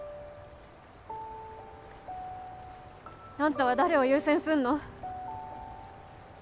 アンタは誰を優先すんの？